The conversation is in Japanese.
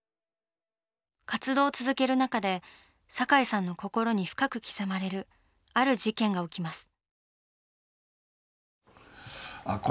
活動を続ける中で堺さんの心に深く刻まれるある事件が起きます。